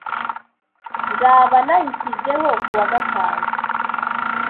Nzaba nayishyizeho kuwa gatanu.